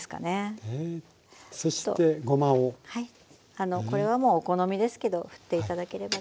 あのこれはもうお好みですけどふって頂ければと思います。